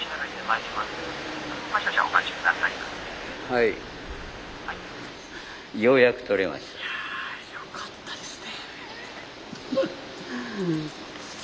いやよかったですね。